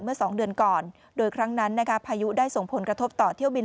สองเดือนก่อนโดยครั้งนั้นนะคะพายุได้ส่งผลกระทบต่อเที่ยวบิน